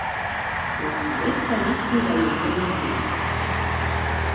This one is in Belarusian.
На стале стаіць недаедзены абед.